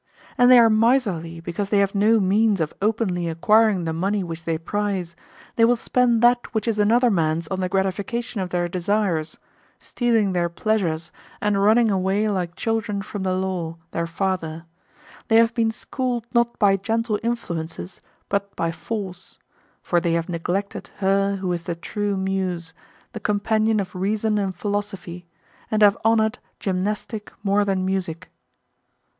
And they are miserly because they have no means of openly acquiring the money which they prize; they will spend that which is another man's on the gratification of their desires, stealing their pleasures and running away like children from the law, their father: they have been schooled not by gentle influences but by force, for they have neglected her who is the true Muse, the companion of reason and philosophy, and have honoured gymnastic more than music.